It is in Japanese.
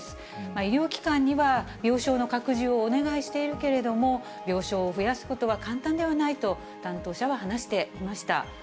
医療機関には病床の拡充をお願いしているけれども、病床を増やすことは簡単ではないと、担当者は話していました。